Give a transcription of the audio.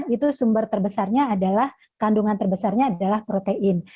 itu sumber terbesarnya adalah kandungan terbesarnya adalah protein